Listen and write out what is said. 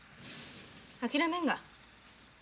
諦めんが？